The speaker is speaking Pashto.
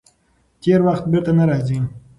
تېر وخت بېرته نه راځي.